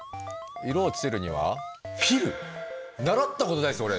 色をつけるには習ったことないっす俺。